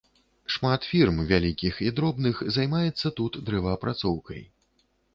Шмат фірм, вялікіх і дробных, займаецца тут дрэваапрацоўкай.